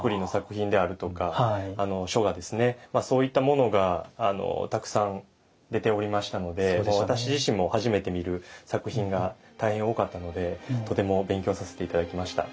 そういったものがたくさん出ておりましたので私自身も初めて見る作品が大変多かったのでとても勉強させて頂きました。